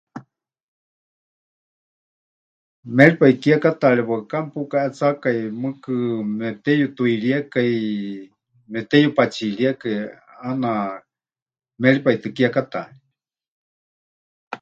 Méripai kiekátaari waɨká mepukaʼetsákai, mɨɨkɨ mepɨteyutuiríekai, mepɨteyupatsiríekai, ʼaana méripai tɨ kiekátaari.